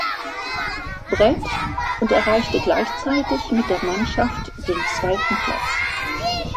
Brett und erreichte gleichzeitig mit der Mannschaft den zweiten Platz.